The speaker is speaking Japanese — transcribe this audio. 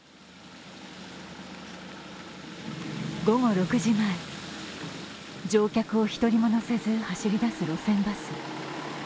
午後６時前、乗客を１人も乗せず走り出す路線バス。